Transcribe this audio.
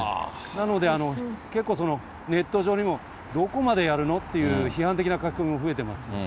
なので、結構ネット上にも、どこまでやるのっていう批判的な書き込みも増えてます。